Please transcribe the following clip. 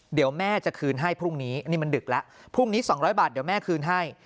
เดี๋ยวแม่จะคืนให้พรุ่งนี้นี่มันดึกแล้วพรุ่งนี้๒๐๐บาทเดี๋ยวแม่คืนให้